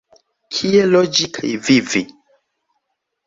Kie loĝi kaj vivi?